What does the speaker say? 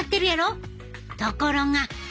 ところが！